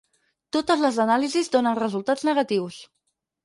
Totes les anàlisis donen resultats negatius.